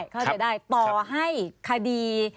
เข้าใจได้ต่อให้คดี